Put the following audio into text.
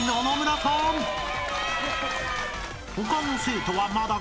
［他の生徒はまだ］